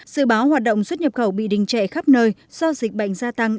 dự báo hoạt động xuất nhập khẩu bị đình trệ khắp nơi do dịch bệnh gia tăng